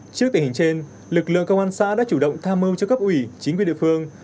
trước tình hình trên lực lượng công an xã đã chủ động tham mưu cho cấp ủy chính quyền địa phương